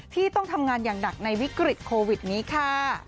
ที่ต้องทำงานอย่างหนักในวิกฤตโควิดนี้ค่ะ